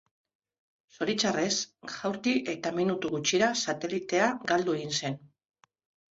Zoritxarrez, jaurti eta minutu gutxira, satelitea galdu egin zen.